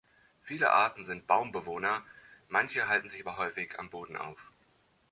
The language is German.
Viele Arten sind Baumbewohner, manche halten sich aber häufig am Boden auf.